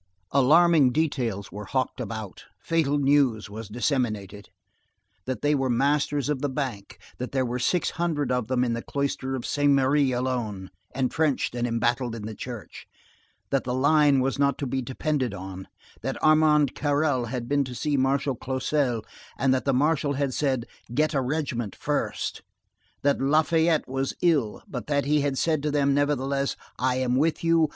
Alarming details were hawked about, fatal news was disseminated,—that they were masters of the Bank;—that there were six hundred of them in the Cloister of Saint Merry alone, entrenched and embattled in the church; that the line was not to be depended on; that Armand Carrel had been to see Marshal Clausel and that the Marshal had said: "Get a regiment first"; that Lafayette was ill, but that he had said to them, nevertheless: "I am with you.